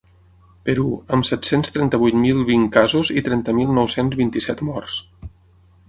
Perú, amb set-cents trenta-vuit mil vint casos i trenta mil nou-cents vint-i-set morts.